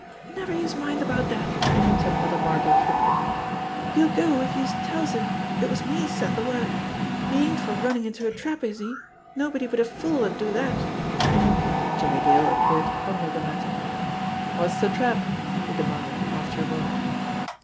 "Never youse mind about dat," said Mother Margot quickly. "He'll go if youse tells him it was me sent de word. He ain't for runnin' into a trap, is he? Nobody but a fool 'ud do dat." Jimmie Dale appeared to ponder the matter. "What's the trap ?" he demanded after a moment.